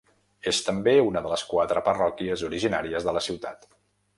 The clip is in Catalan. És també una de les quatre parròquies originàries de la ciutat.